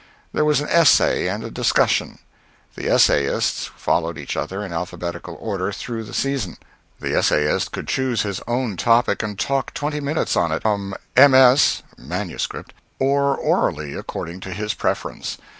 There was an essay and a discussion. The essayists followed each other in alphabetical order through the season. The essayist could choose his own subject and talk twenty minutes on it, from MS. or orally, according to his preference.